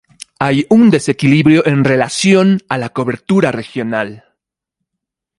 Hay un desequilibrio en relación a la cobertura regional.